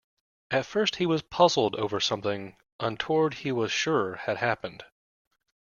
At first he puzzled over something untoward he was sure had happened.